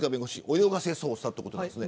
泳がせ捜査ということですね。